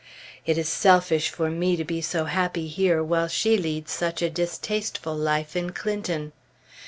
It is selfish for me to be so happy here while she leads such a distasteful life in Clinton.